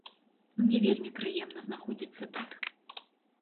Мне вельмі прыемна знаходзіцца тут.